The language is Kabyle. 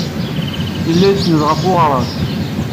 Yella isenned ɣer weɣrab.